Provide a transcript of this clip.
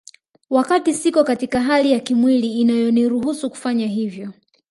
Wakati siko katika hali ya kimwili inayoniruhusu kufanya hivyo